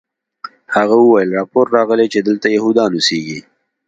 هغه وویل راپور راغلی چې دلته یهودان اوسیږي